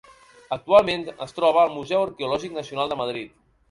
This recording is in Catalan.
Actualment es troba al Museu Arqueològic Nacional de Madrid.